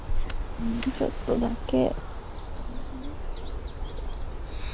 ちょっとだけ。